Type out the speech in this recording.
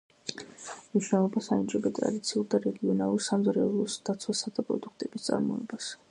მნიშვნელობას ანიჭებენ, ტრადიციულ და რეგიონალურ სამზარეულოს დაცვასა და პროდუქტების წარმოებას.